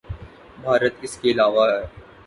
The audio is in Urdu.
بھارت اس کے علاوہ ہے۔